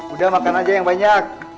udah makan aja yang banyak